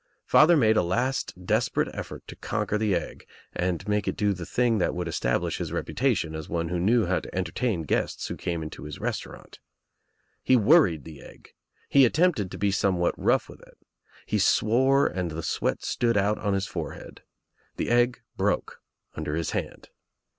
Father made a last desperate effort to conquer the egg and make It do the thing that would establish his reputation as one who knew how to entertain guests who came into his restaurant. He worried the egg. He attempted to be somewhat rough with it. He swore and the sweat stood out on his forehead. The egg broke under his hand.